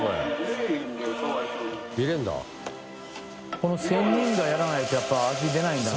この仙人がやらないとやっぱり味出ないんだな。